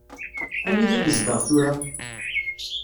Anida yezdeɣ tura?